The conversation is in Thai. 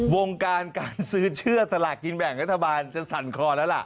วงการการซื้อเชื่อสลากกินแบ่งรัฐบาลจะสั่นคลอแล้วล่ะ